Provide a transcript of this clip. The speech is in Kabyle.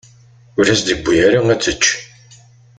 Ur as-d-tewwi ara ad tečč.